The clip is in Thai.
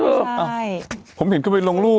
อ้าวผมเห็นเขาไปลงรูป